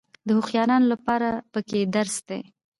د هوښیارانو لپاره پکې درس دی.